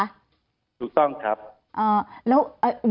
ถูกต้องครับ